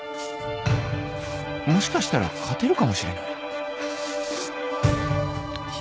もしかしたら勝てるかもしれない